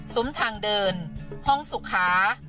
ซุ้มทางเดินห้องสุขา